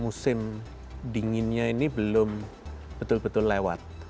musim dinginnya ini belum betul betul lewat